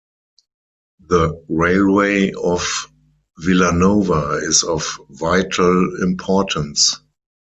The Railway of Vilanova is of vital importance.